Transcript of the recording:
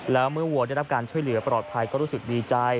แล้วเมื่อวัวได้รับการช่วยเหลือปลอดภัยก็รู้สึกดีใจ